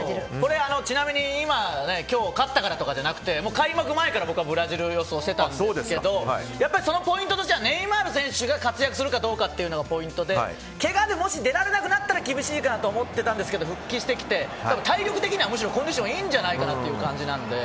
ちなみに今日勝ったからとかじゃなくて開幕前から僕はブラジルを予想してたんですけどそのポイントとしてはネイマール選手が活躍するかどうかというのがポイントでけがで、もし出られなくなったら厳しいかなと思ってたんですが復帰してきて、体力的にはむしろコンディションいいんじゃないかという感じなので。